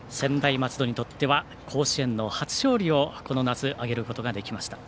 松戸にとっては甲子園の初勝利をこの夏、挙げることができました。